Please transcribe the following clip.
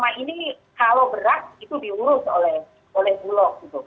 jadi itu mungkin akan lebih menimbulkan banyak debat seimbang solusi ya